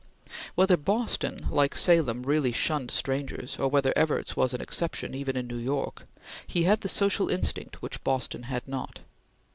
Whether Boston, like Salem, really shunned strangers, or whether Evarts was an exception even in New York, he had the social instinct which Boston had not.